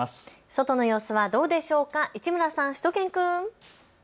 外の様子はどうでしょうか、市村さん、しゅと犬くん。